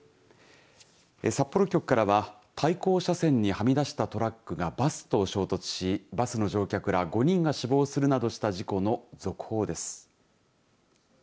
札幌局からは対向車線にはみ出したトラックがバスと衝突しバスの乗客ら５人が死亡するなどした事故の続報です。